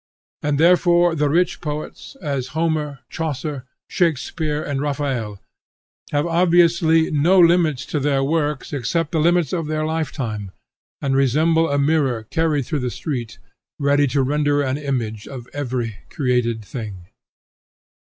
And therefore the rich poets, as Homer, Chaucer, Shakspeare, and Raphael, have obviously no limits to their works except the limits of their lifetime, and resemble a mirror carried through the street, ready to render an image of every created thing.